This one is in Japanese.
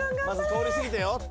まず通り過ぎてよ。